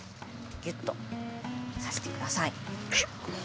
ぎゅっとさしてください。